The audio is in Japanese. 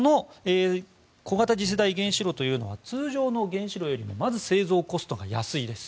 小型次世代原子炉というのは通常の原子炉よりも製造コストが安いです。